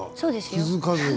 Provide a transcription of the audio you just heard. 気付かずに。